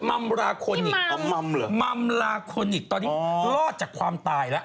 มัมราคนอีกตอนนี้รอดจากความตายแล้วพี่มัมเหรอมัมราคนอีกตอนนี้รอดจากความตายแล้ว